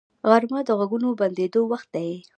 غرمه د غږونو بندیدو وخت دی